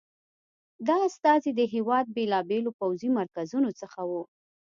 دا استازي د هېواد بېلابېلو پوځي مرکزونو څخه وو.